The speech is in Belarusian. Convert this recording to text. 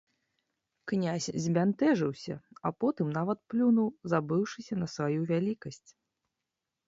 Князь збянтэжыўся, а потым нават плюнуў, забыўшыся на сваю вялікасць.